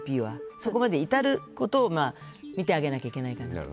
そこまで至ることを見てあげなきゃいけないかなと。